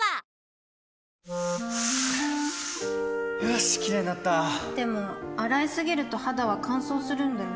よしキレイになったでも、洗いすぎると肌は乾燥するんだよね